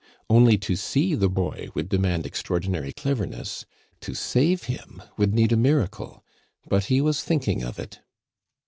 Only to see the boy would demand extraordinary cleverness; to save him would need a miracle; but he was thinking of it.